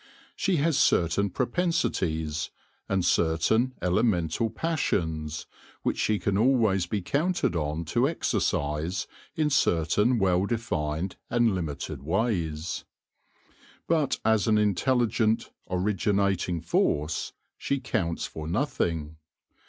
She has certain propensities, and certain elemental passions, which she can always be counted on to exercise in certain well defined and limited ways. But as an intelligent, originating force she counts for nothing.